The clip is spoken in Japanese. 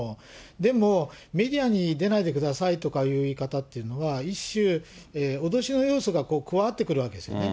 でも、メディアに出ないでくださいとかいう言い方っていうのは、一種、脅しの要素が加わってくるわけですよね。